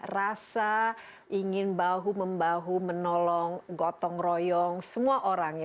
rasa ingin bahu membahu menolong gotong royong semua orang